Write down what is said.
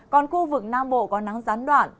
còn khu vực nam bộ có nắng gián đoạn